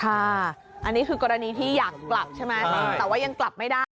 อันนี้คือกรณีที่อยากกลับใช่ไหมแต่ว่ายังกลับไม่ได้